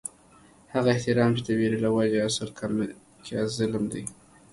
هغه احترام چې د وېرې له وجې وي، اصل کې ظلم دي